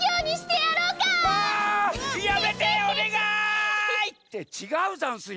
あやめておねがい！ってちがうざんすよ。